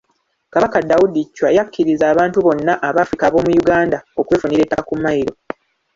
Kabaka Daudi Chwa yakkiriza abantu bonna Abafrika ab'omu Uganda okwefunira ettaka ku mailo.